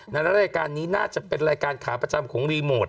รายการนี้น่าจะเป็นรายการขาประจำของรีโมท